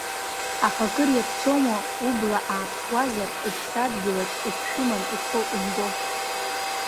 Аха акыр иаԥсоума убла ааԥшуазар, уԥсадгьылаҿ уаԥшәыман ухы умбо.